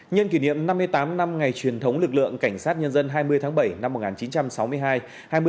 nhân kỷ niệm năm mươi tám năm ngày truyền thống lực lượng cảnh sát nhân dân hai mươi tháng bảy năm một nghìn chín trăm sáu mươi hai